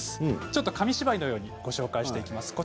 ちょっと紙芝居のようにご紹介していきます。